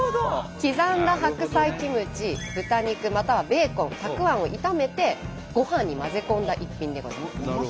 刻んだ白菜キムチ豚肉またはベーコンたくあんを炒めてごはんに混ぜ込んだ一品でございます。